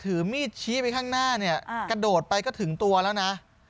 ถือมีดชี้ไปข้างหน้าเนี่ยกระโดดไปก็ถึงตัวแล้วนะ